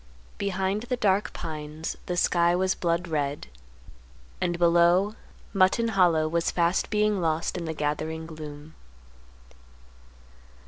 Behind the dark pines the sky was blood red, and below, Mutton Hollow was fast being lost in the gathering gloom.